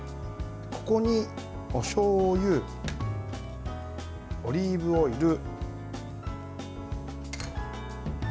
ここにおしょうゆ、オリーブオイル、塩。